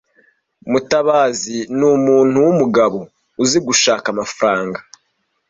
Mutabazi numuntu wumugabo uzi gushaka amafaranga.